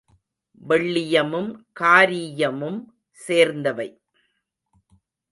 வெள்ளியமும் காரீயமும் சேர்ந்தவை.